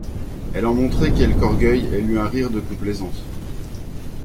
Elle en montrait quelque orgueil, elle eut un rire de complaisance.